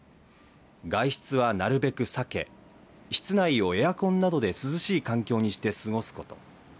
外出は、なるべく避け室内をエアコンなどで涼しい環境にして過ごすこと。